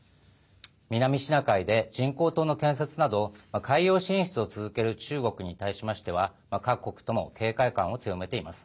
南シナ海で人工島の建設など海洋進出を続ける中国に対しましては各国とも警戒感を強めています。